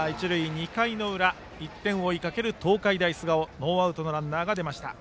２回の裏、１点を追いかける東海大菅生ノーアウトのランナーが出ました。